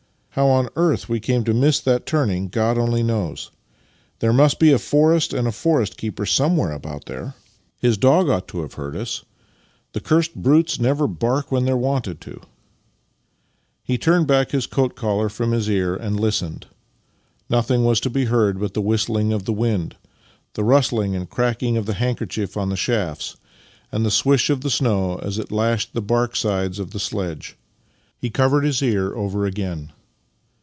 How on earth we came to miss that turning God only knows. There must be a forest and a forest keeper som.ewhere about there. ' The dcs£iatin = 2^ acres. ^ The sazhen 7 English feet. 42 Master and Man His dog ought to have heard us. The cursed brutes never bark when they're wanted to." He turned back his coat collar from his ear and listened. Nothing was to be heard but the whistl ing of the wind, the rustling and cracking of the handkerchief on the shafts, and the swish of the snow as it lashed the bark sides of the sledge. He covered his ear over again.